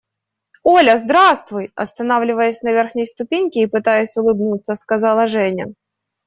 – Оля, здравствуй! – останавливаясь на верхней ступеньке и пытаясь улыбнуться, сказала Женя.